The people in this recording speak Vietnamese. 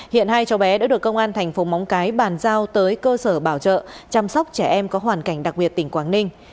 hiện hai cháu bé đã được công an thành phố móng cái bàn giao tới cơ sở bảo trợ chăm sóc trẻ em có hoàn cảnh đặc biệt tỉnh quảng ninh